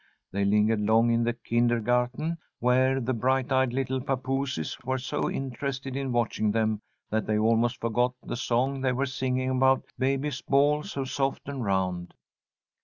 They lingered long in the kindergarten, where the bright eyed little papooses were so interested in watching them that they almost forgot the song they were singing about "Baby's ball so soft and round."